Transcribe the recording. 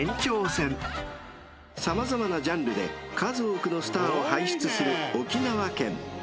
［様々なジャンルで数多くのスターを輩出する沖縄県］